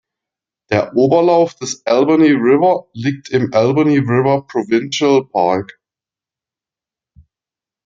Der Oberlauf des Albany River liegt im Albany River Provincial Park.